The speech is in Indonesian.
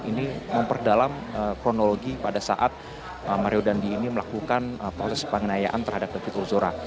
ini memperdalam kronologi pada saat mario dandi ini melakukan proses pengenayaan terhadap david ozora